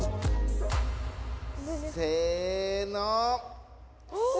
せの！